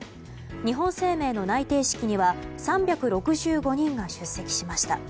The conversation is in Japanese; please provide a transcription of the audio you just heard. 日本生命の内定式には３６５人が出席しました。